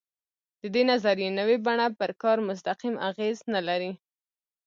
د دې نظریې نوې بڼه پر کار مستقیم اغېز نه لري.